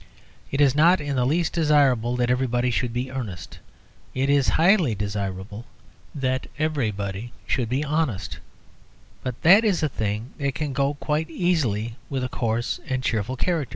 It is not in the least desirable that everybody should be earnest. It is highly desirable that everybody should be honest, but that is a thing that can go quite easily with a coarse and cheerful character.